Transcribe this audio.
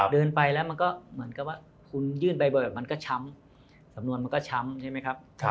เดินไปแล้วมันก็เหมือนกับว่าคุณยื่นไปบอกแบบมันก็ช้ำจำนวนมันก็ช้ำ